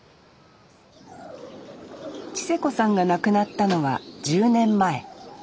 知世子さんが亡くなったのは１０年前。